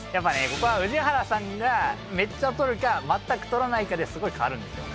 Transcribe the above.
ここは宇治原さんがめっちゃとるか全くとらないかですごい変わるんですよ